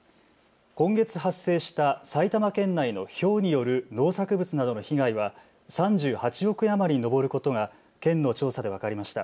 今月発生した埼玉県内のひょうによる農作物などの被害は３８億円余りに上ることが県の調査で分かりました。